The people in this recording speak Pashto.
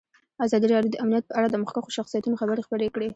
ازادي راډیو د امنیت په اړه د مخکښو شخصیتونو خبرې خپرې کړي.